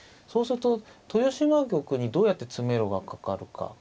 そうすると豊島玉にどうやって詰めろがかかるか。